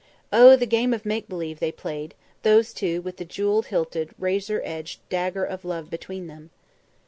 Oh! the game of make believe they played, those two with the jewel hilted, razor edged dagger of love between them.